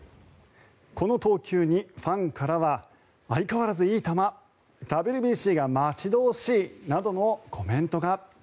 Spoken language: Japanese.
この投球にファンからは相変わらずいい球ＷＢＣが待ち遠しいなどのコメントが。